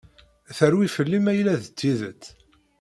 Terwi fell-i ma yella d tidet.